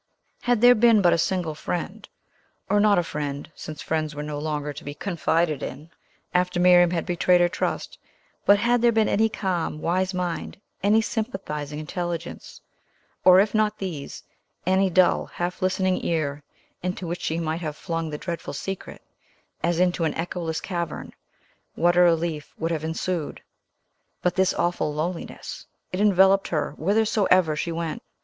Had there been but a single friend, or not a friend, since friends were no longer to be confided in, after Miriam had betrayed her trust, but, had there been any calm, wise mind, any sympathizing intelligence; or, if not these, any dull, half listening ear into which she might have flung the dreadful secret, as into an echoless cavern, what a relief would have ensued! But this awful loneliness! It enveloped her whithersoever she went.